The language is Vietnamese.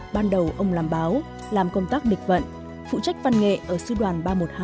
ban đầu ông làm báo làm công tác địch vận phụ trách văn nghệ ở sư đoàn ba trăm một mươi hai